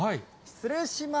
失礼します。